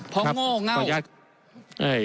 เพราะโง่เง่า